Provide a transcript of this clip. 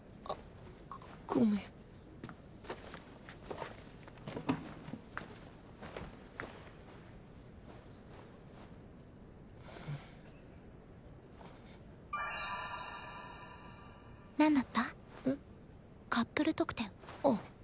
あっ。